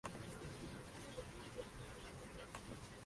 hubieses partido